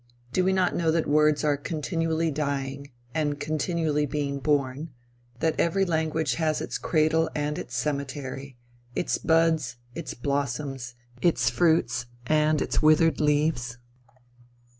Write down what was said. Do we not know that words are continually dying, and continually being born; that every language has its cradle and its cemetery its buds, its blossoms, its fruits and its withered leaves?